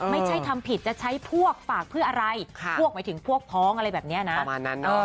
ไม่ใช่ทำผิดจะใช้พวกฝากเพื่ออะไรพวกหมายถึงพวกพ้องอะไรแบบนี้นะประมาณนั้น